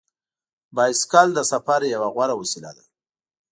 بایسکل د سفر یوه غوره وسیله ده.